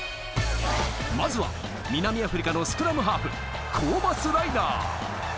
まずは南アフリカのスクラムハーフ、コーバス・ライナー。